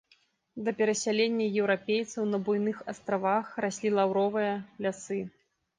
Да перасялення еўрапейцаў на буйных астравах раслі лаўровыя лясы.